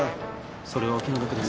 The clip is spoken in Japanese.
それはお気の毒です。